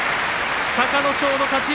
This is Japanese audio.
隆の勝の勝ち。